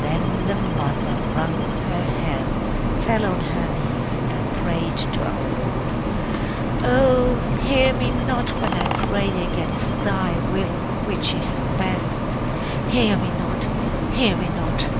Then the mother wrung her hands, fell on her knees, and prayed to our Lord: "Oh, hear me not when I pray against Thy will, which is the best! hear me not! hear me not!"